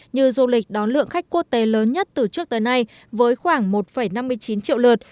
như du lịch đón lượng khách quốc tế lớn nhất từ trước tới nay với khoảng một năm mươi chín triệu lượt